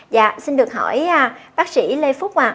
dạ xin được hỏi bác sĩ lê phúc